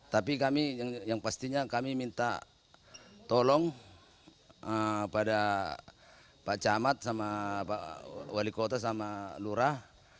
tapi kami yang pastinya kami minta tolong pada pak camat sama pak wali kota sama lurah